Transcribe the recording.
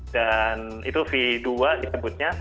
itu v dua disebutnya